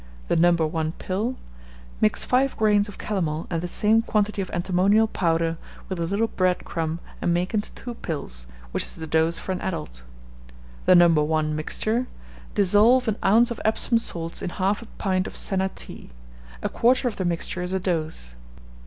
(The No. 1 pill: Mix 5 grains of calomel and the same quantity of antimonial powder, with a little bread crumb, and make into two pills, which is the dose for an adult. The No. 1 mixture: Dissolve an ounce of Epsom salts in half a pint of senna tea. A quarter of the mixture is a dose.)